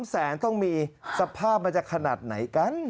แสนต้องมีสภาพมันจะขนาดไหนกัน